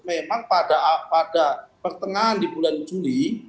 memang pada pertengahan di bulan juli